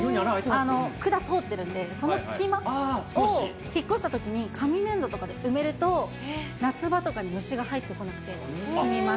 管通ってるんで、その隙間を引っ越したときに紙粘土とかで埋めると、夏場とかに虫が入ってこなくて済みます。